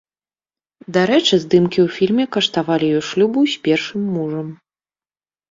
Дарэчы, здымкі ў фільме каштавалі ёй шлюбу з першым мужам.